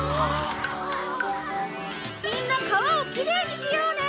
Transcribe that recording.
みんな川をきれいにしようね！